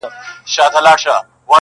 انسان بې وزره مرغه دئ.